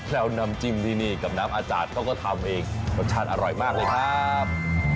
แล้วน้ำจิ้มที่นี่กับน้ำอาจารย์เขาก็ทำเองรสชาติอร่อยมากเลยครับ